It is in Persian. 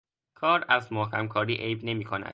کار از محکم کاری عیب نمی کند